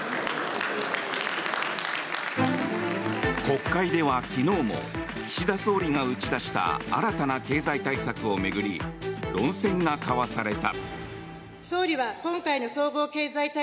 国会では昨日も岸田総理が打ち出した新たな経済対策を巡り論戦が交わされた。